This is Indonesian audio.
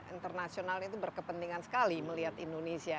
internasional itu berkepentingan sekali melihat indonesia